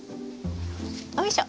よいしょ。